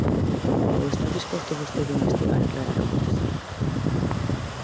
¿Ou está disposto vostede a investigar e a aclarar o acontecido?